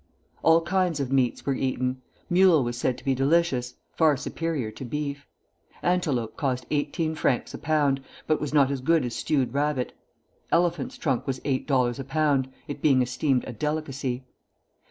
All kinds of meats were eaten. Mule was said to be delicious, far superior to beef. Antelope cost eighteen francs a pound, but was not as good as stewed rabbit; elephant's trunk was eight dollars a pound, it being esteemed a delicacy.